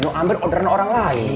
mau ambil orderan orang lain